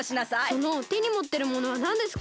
そのてにもってるものはなんですか？